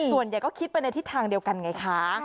ส่วนใหญ่ก็คิดไปในทิศทางเดียวกันไงคะ